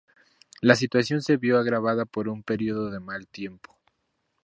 La situación se vio agravada por un período de mal tiempo.